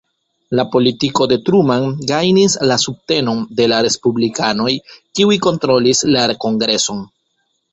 La politiko de Truman gajnis la subtenon de la respublikanoj kiuj kontrolis la kongreson.